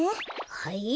はい？